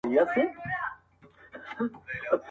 o بزه په خپل ښکر نه درنېږي٫